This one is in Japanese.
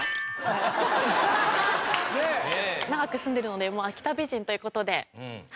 長く住んでるのでもう秋田美人という事で。